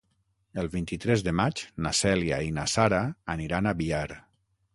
El vint-i-tres de maig na Cèlia i na Sara aniran a Biar.